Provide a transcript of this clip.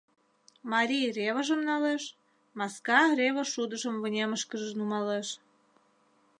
Марий ревыжым налеш, маска реве шудыжым вынемышкыже нумалеш.